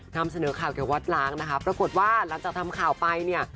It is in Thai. นำเสนอข่าวเกี่ยวกับวัดล้างนะคะปรากฏว่าหลังจากทำข่าวไปเนี่ย